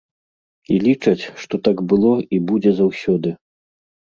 І лічаць, што так было і будзе заўсёды.